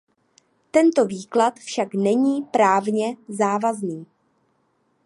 Tento výklad však není právně závazný.